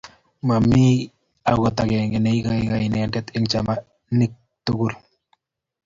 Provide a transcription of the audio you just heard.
Ma mi agot agenge ne igoigoi ineendet eng' chamanikyik tugul.